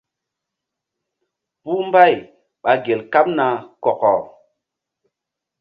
Puh mbay ɓa gel kaɓ na kɔkɔ.